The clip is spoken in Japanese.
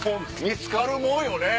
見つかるもんよね。